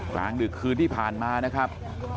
กลางดึกคืนที่ผ่านมานะครับ